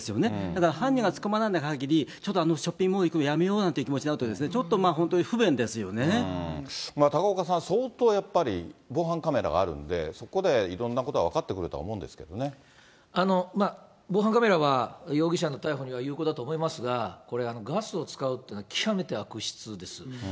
だから、犯人が捕まらないかぎり、ちょっとショッピングモール行くの、やめようなんていう気持ちになったら、ちょっと本当に不便ですよ高岡さん、相当やっぱり、防犯カメラがあるんで、そこでいろんなことが分かってくるとは思防犯カメラは容疑者の逮捕には有効だと思いますが、これ、ガスを使うってのは、極めて悪質です。